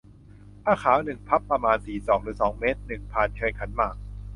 ผ้าขาว หนึ่ง พับ ประมาณ สี่ ศอก หรือ สอง เมตร หนึ่ง พานเชิญขันหมาก